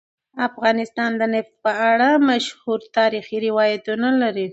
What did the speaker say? افغانستان د نفت په اړه مشهور تاریخی روایتونه لري.